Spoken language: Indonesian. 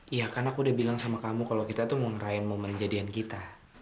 iya karena aku udah bilang sama kamu kalau kita tuh mau ngerain momen jadian kita